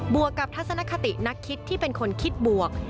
วกกับทัศนคตินักคิดที่เป็นคนคิดบวก